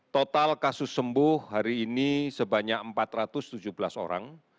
total kasus sembuh hari ini sebanyak empat ratus tujuh belas orang